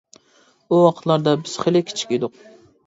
ئۇ ۋاقىتلاردا بىز خېلى كىچىك ئىدۇق.